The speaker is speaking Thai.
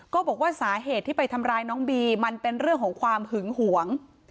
ก็บอกว่าสาเหตุที่ไปทำร้ายน้องบีมันเป็นเรื่องของความหึงหวง